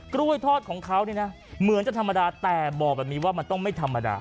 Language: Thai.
กล้วยทอดของเขาเนี่ยนะเหมือนจะธรรมดาแต่บอกแบบนี้ว่ามันต้องไม่ธรรมดา